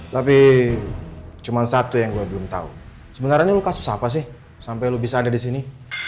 tapi cuman satu yang gue belum tahu sebenarnya lo kasus apa sih sampai lo bisa ada di sini